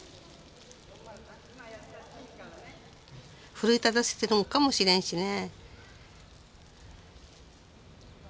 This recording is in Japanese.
奮い立たせてるのかもしれんしね。